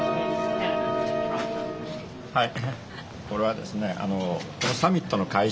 はい。